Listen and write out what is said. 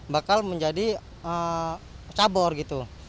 bakal menjadi cabur gitu